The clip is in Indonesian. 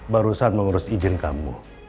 barusan mengurus izin kamu